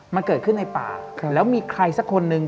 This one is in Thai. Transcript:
มันเกิดขึ้นในป่าแล้วมีใครสักคนนึง